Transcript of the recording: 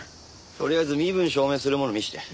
とりあえず身分証明するもの見せて。